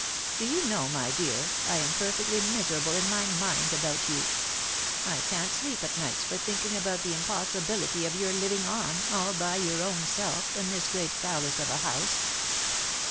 Do you know, my dear, I am perfectly miserable in my mind about you. I can't sleep at nights for think ing about the impossibility of your living on, all by your own self, in this great palace of a house."